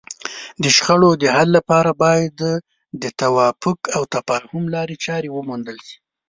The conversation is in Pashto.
د شخړو د حل لپاره باید د توافق او تفاهم لارې چارې وموندل شي.